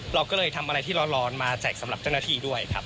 เราก็เลยทำอะไรที่ร้อนมาแจกสำหรับเจ้าหน้าที่ด้วยครับ